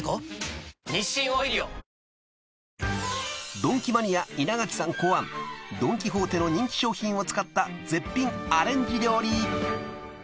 ［ドンキマニア稲垣さん考案ドン・キホーテの人気商品を使った絶品アレンジ料理］